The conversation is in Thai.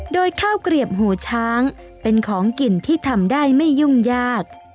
โดยข้าวเกลียบหูช้างเป็นของกินที่ทำได้ไม่ยุ่งยาก